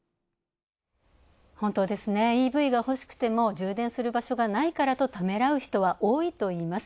本当ですね、ＥＶがほしくても充電する場所がないからと、ためらう人が多いといいます。